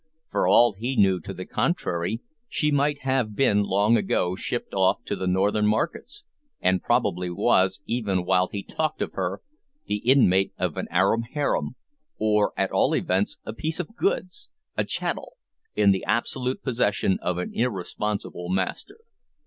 For all he knew to the contrary, she might have been long ago shipped off to the northern markets, and probably was, even while he talked of her, the inmate of an Arab harem, or at all events a piece of goods a "chattel" in the absolute possession of an irresponsible master.